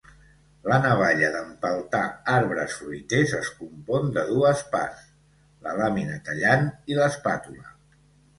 La navalla d'empeltar arbres fruiters es compon de dues parts: la làmina tallant i l'espàtula.